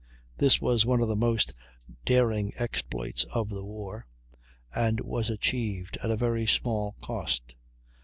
This was one of the most daring exploits of the war, and was achieved at very small cost.